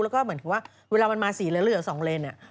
แล้วก็เหมือนว่าเวลามันมาสีเหลือ๒เลน